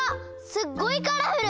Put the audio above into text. すっごいカラフル！